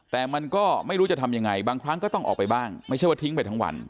แต่มันก็ไม่รู้จะทำยังไงบางครั้งก็ต้องออกไปบ้างไม่ใช่ว่าทิ้งไปทั้งวัน